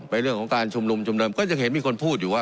เรื่องของการชุมนุมชุมเดิมก็ยังเห็นมีคนพูดอยู่ว่า